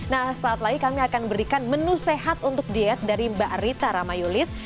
nah saat lagi kami akan berikan menu sehat untuk diet dari mbak rita ramayulis